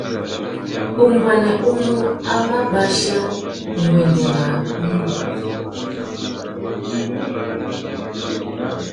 Umbuênê umô a mà bachia nguêndê râ mundu.